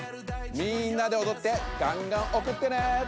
みんなでおどってがんがんおくってね！